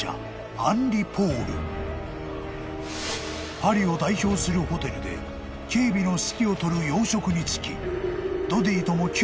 ［パリを代表するホテルで警備の指揮を執る要職に就きドディとも旧知の仲］